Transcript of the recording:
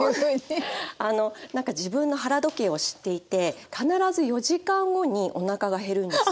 なんか自分の腹時計を知っていて必ず４時間後におなかが減るんですよ。